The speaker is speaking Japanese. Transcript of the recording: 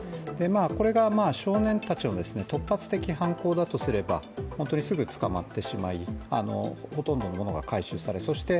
これが少年たちの突発的犯行だとすれば本当にすぐ捕まってしまい、ほとんどのものが回収されそして